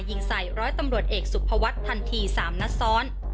ยิงใส่ร้อยตำรวจเอกสุภวัฒน์ทันที๓นัดซ้อน